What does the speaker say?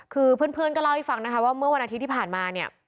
คือเพื่อนก็เล่าให้ฟังนะคะว่าเมื่อวันอาทิตย์ที่ผ่านมาเนี่ย